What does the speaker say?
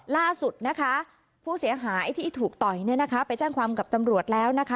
ล่าสุดนะคะผู้เสียหายที่ถูกต่อยเนี่ยนะคะไปแจ้งความกับตำรวจแล้วนะคะ